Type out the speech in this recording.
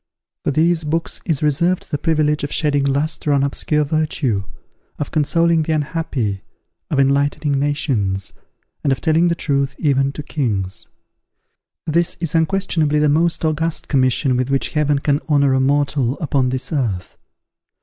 For these books is reserved the privilege of shedding lustre on obscure virtue, of consoling the unhappy, of enlightening nations, and of telling the truth even to kings. This is, unquestionably, the most august commission with which Heaven can honour a mortal upon this earth.